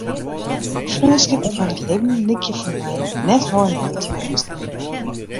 Freonskippen foar it libben lykje foar my net weilein te wêze.